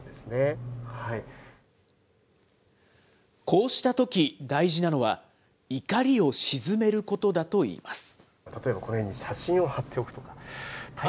こうしたとき、大事なのは、怒りを静めることだといいます。